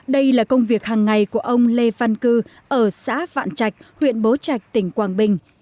đây là công việc hàng ngày của ông lê văn cư ở xã vạn trạch huyện bố trạch tỉnh quảng bình